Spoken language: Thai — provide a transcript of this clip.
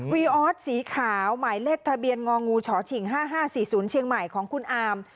ออสสีขาวหมายเลขทะเบียนงองูฉฉิง๕๕๔๐เชียงใหม่ของคุณอาม